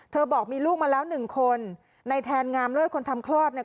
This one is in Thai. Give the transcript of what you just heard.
บอกมีลูกมาแล้วหนึ่งคนในแทนงามเลิศคนทำคลอดเนี่ย